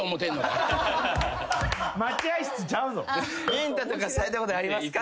ビンタとかされたことありますか？